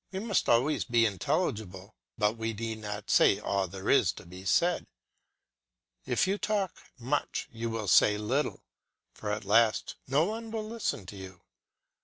We must always be intelligible, but we need not say all there is to be said. If you talk much you will say little, for at last no one will listen to you.